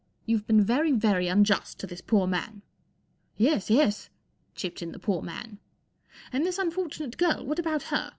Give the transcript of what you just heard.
You've been very, very unjust to this poor man !"" Yes, yes,''chip¬ ped in the poor man. And this un¬ fortunate girl, what about her